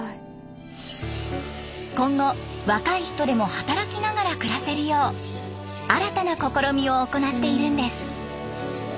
今後若い人でも働きながら暮らせるよう新たな試みを行っているんです。